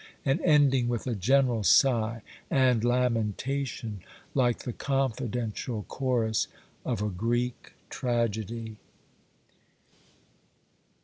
'—and ending with a general sigh and lamentation, like the confidential chorus of a Greek tragedy.